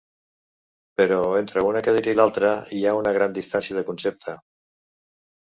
Però entre una cadira i l'altra, hi ha una gran distància de concepte.